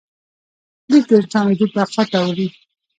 لیک د انسان وجود بقا ته وړي.